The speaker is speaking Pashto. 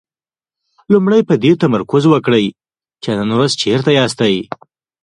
لومړی په دې تمرکز وکړئ چې نن ورځ چېرته ياستئ.